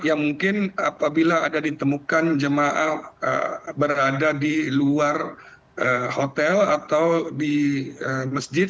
ya mungkin apabila ada ditemukan jemaah berada di luar hotel atau di masjid